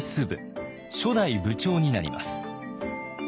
初代部長になります。